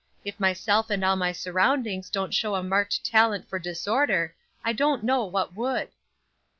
If myself and all my surroundings don't show a marked talent for disorder, I don't know what would."